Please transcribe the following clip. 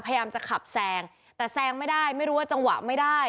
พยายามจะขับแซงแต่แซงไม่ได้ไม่รู้ว่าจังหวะไม่ได้